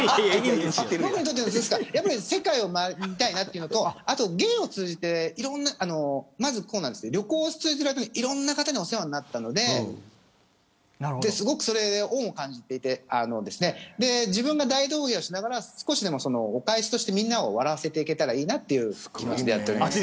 僕にとっての軸は世界を見たいなというのとあと、芸を通じて旅行をしている間にいろんな方にお世話になったのですごくそれで恩を感じていて自分が大道芸をしながら少しでもお返しとしてみんなを笑わせていけたらいいなという感じでやってます。